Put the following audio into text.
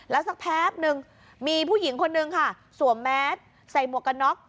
แล้วสักแป๊บนึงมีผู้หญิงคนนึงค่ะสวมแมสใส่หมวกกันน็อก